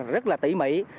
rất là tỉ mỉ